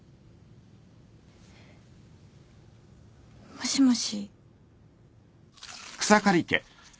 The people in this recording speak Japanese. もしもし。